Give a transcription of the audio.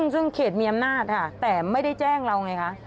ซึ่งเขตมีอำนาจค่ะแต่ไม่ได้แจ้งเราไงคะ